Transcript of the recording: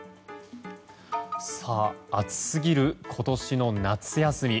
暑すぎる今年の夏休み。